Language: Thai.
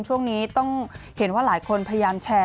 ช่วงนี้ต้องเห็นว่าหลายคนพยายามแชร์